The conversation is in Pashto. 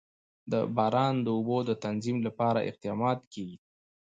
د باران د اوبو د تنظیم لپاره اقدامات کېږي.